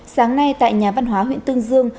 sáng nay tại nhà văn hóa huyện tương dương